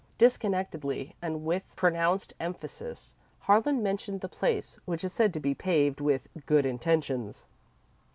'" Disconnectedly, and with pronounced emphasis, Harlan mentioned the place which is said to be paved with good intentions.